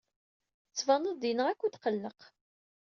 Tettbaneḍ-d yenɣa-k utqelleq.